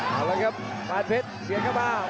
มาแล้วครับแปดเพชรเกียร์เข้ามา